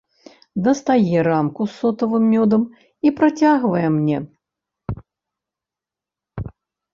Дастае рамку з сотавым мёдам і працягвае мне.